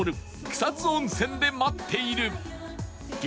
草津温泉で待っている激